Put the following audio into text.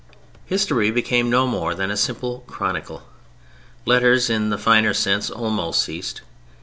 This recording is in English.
History became no more than a simple chronicle. Letters, in the finer sense, almost ceased.